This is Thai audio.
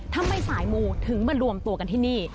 ทำไมสายมูถึงมารวมตัวกันที่นี่